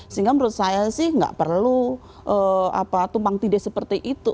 sehingga menurut saya sih nggak perlu tumpang tindih seperti itu